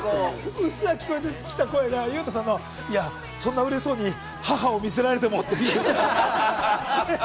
うっすら聞こえてきた声が、そんな、うれしそうに母を見せられてもっていうね。